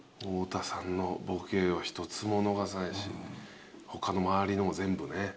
太田さんのボケを一つも逃さないし他の周りのも全部ね。